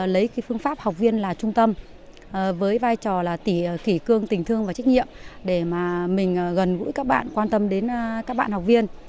lấy phương pháp học viên là trung tâm với vai trò là kỷ cương tình thương và trách nhiệm để mà mình gần gũi các bạn quan tâm đến các bạn học viên